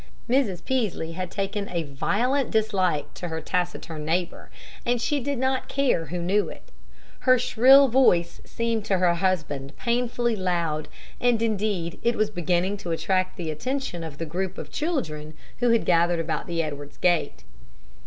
Mrs. Peaslee had taken a violent dislike to her taciturn neighbor, and she did not care who knew it. Her shrill voice seemed to her husband painfully loud, and, indeed, it was beginning to attract the attention of the group of children who had gathered about the Edwards gate.